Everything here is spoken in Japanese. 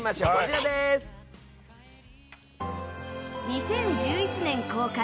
２０１１年公開